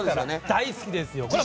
大好きですよ。